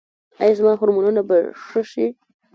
ایا زما هورمونونه به ښه شي؟